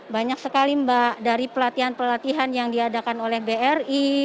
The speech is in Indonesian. banyak sekali mbak dari pelatihan pelatihan yang diadakan oleh bri